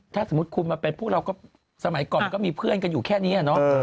ถ้าสมมุติคุณมาเป็นพวกเราก็สมัยก่อนมันก็มีเพื่อนกันอยู่แค่นี้